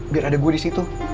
biar ada gue disitu